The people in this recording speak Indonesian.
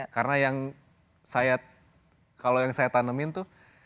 karena yang saya kalau yang saya tanemin tuh